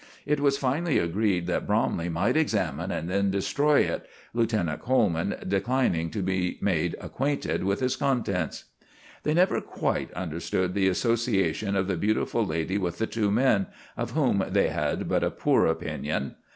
It was finally agreed that Bromley might examine and then destroy it, Lieutenant Coleman declining to be made acquainted with its contents. They never quite understood the association of the beautiful lady with the two men, of whom they had but a poor opinion.